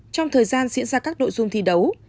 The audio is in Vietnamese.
trong thời gian diễn ra các nội dung thi đấu